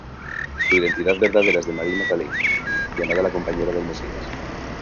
Su identidad verdadera es de Mary Magdalene, llamada la compañera del Mesías.